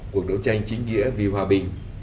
cuộc đấu tranh chính nghĩa vì hòa bình